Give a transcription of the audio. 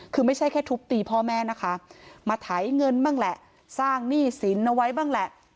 คือไม่ใช่แค่ทุบตีพ่อแม่นะคะมาไถเงินบ้างแหละสร้างหนี้สินเอาไว้บ้างแหละ